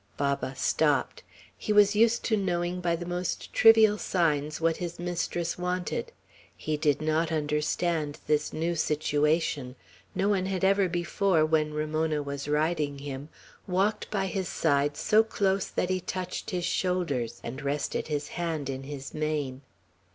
Baba stopped. He was used to knowing by the most trivial signs what his mistress wanted; he did not understand this new situation; no one had ever before, when Ramona was riding him, walked by his side so close that he touched his shoulders, and rested his hand in his mane.